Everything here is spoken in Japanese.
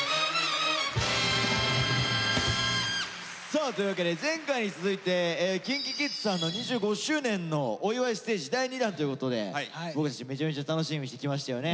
「さあというわけで前回に続いてＫｉｎＫｉＫｉｄｓさんの２５周年のお祝いステージ第２弾ということで僕たちめちゃめちゃ楽しみにしてきましたよね。